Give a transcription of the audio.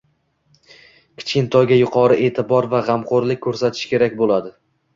kichkintoyga yuqori e’tibor va g‘amxo‘rlik ko‘rsatish kerak bo‘ladi.